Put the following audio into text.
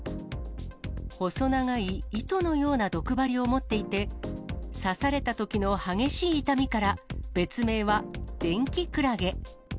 細長い、糸のような毒針を持っていて、刺されたときの激しい痛みから、別名は電気クラゲ。